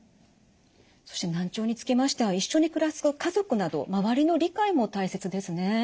そして難聴につきましては一緒に暮らす家族など周りの理解も大切ですね。